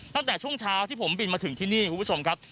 ตั้งแต่ช่วงเช้าที่ผมบินมาถึงที่นี่คุณผู้ชมครับ